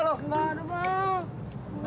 lu jangan main main sama gue